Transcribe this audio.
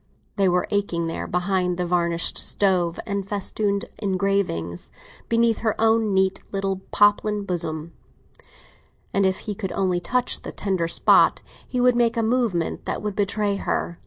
They were aching there, behind the varnished stove, the festooned engravings, beneath her own neat little poplin bosom; and if he could only touch the tender spot, she would make a movement that would betray her.